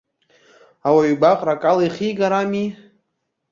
Ауаҩ игәаҟра акала ихигар ами!